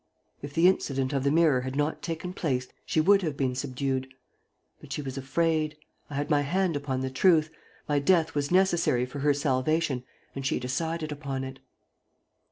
If the incident of the mirror had not taken place, she would have been subdued. But she was afraid. I had my hand upon the truth. My death was necessary for her salvation and she decided upon it."